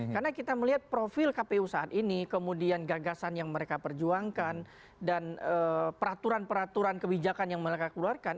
karena kita melihat profil kpu saat ini kemudian gagasan yang mereka perjuangkan dan peraturan peraturan kebijakan yang mereka keluarkan